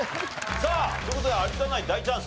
さあという事で有田ナイン大チャンス。